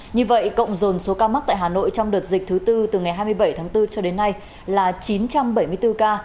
như vậy cộng dồn số ca mắc tại hà nội trong đợt dịch thứ tư từ ngày hai mươi bảy tháng bốn cho đến nay là chín trăm bảy mươi bốn ca